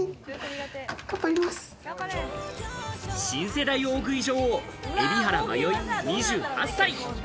新世代大食い女王、海老原まよい、２８歳。